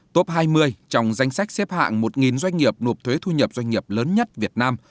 top hai mươi trong danh sách xếp hạng một doanh nghiệp nộp thuế thu nhập doanh nghiệp lớn nhất việt nam